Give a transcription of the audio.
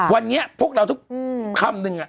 วันนี้พวกเราทุกคำนึง